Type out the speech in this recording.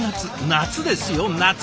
夏ですよ夏！